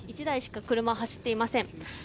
１台しか車走っていません。